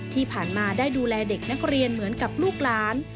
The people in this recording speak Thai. ที่ผ่านมาได้ดูแลเด็กนักเรียนเหมือนกับลูกหลาน